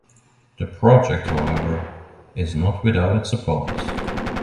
The project, however, is not without its opponents.